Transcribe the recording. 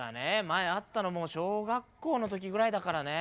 前会ったのも小学校の時ぐらいだからね。